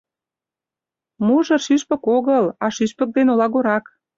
— Мужыр шӱшпык огыл, а шӱшпык ден олагорак!